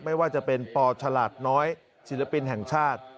ไม่ว่าจะเป็นปฉลาดน้อยศิลปินแห่งชาติ